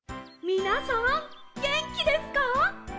みなさんげんきですか？